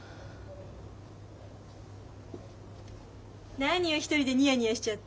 何よ一人でニヤニヤしちゃって。